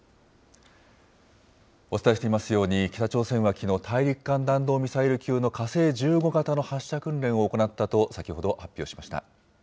お伝えしていますように、北朝鮮はきのう、大陸間弾道ミサイル級の火星１５型の発射訓練を行ったと先ほど発表しました。